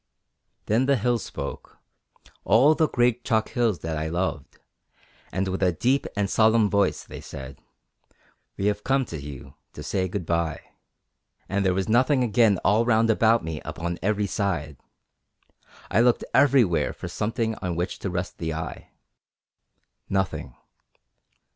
Then the hills spoke, all the great chalk hills that I loved, and with a deep and solemn voice they said, 'We have come to you to say Goodbye.' Then they all went away, and there was nothing again all round about me upon every side. I looked everywhere for something on which to rest the eye. Nothing.